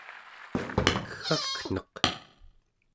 keggakneq